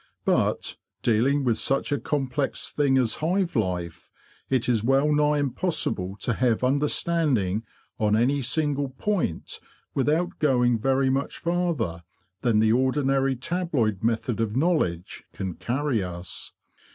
But, dealing with such a complex thing as hive life, it is well nigh impossible to have understanding on any single point without going very much farther than the ordinary tabloid method of knowledge can carry us.